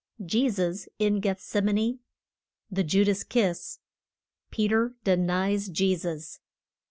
JESUS IN GETHSEMANE. THE JUDAS KISS. PETER DENIES JESUS.